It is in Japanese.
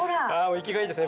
生きがいいですね。